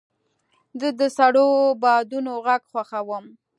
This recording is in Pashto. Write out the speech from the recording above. زه د سړو بادونو غږ خوښوم.